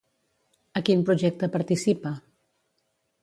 A quin projecte participa?